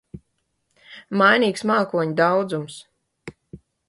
Mainīgs mākoņu daudzums.